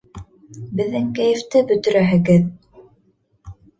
Беҙҙең кәйефте бөтөрәһегеҙ!